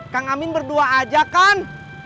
kang amin berdua aja kan